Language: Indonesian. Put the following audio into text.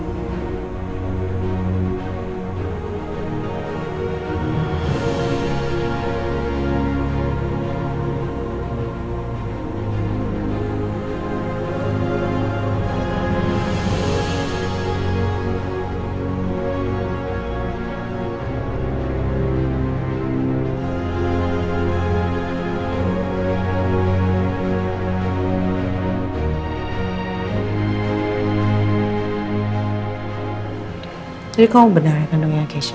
jadi kau benar benar kandung keisha